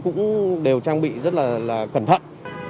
cũng đều trang bị rất là cẩn thận